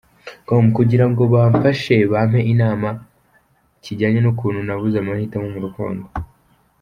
com, kugira ngo bamfashe bampe inama, kijyanye n’ukuntu nabuze amahitamo mu rukundo.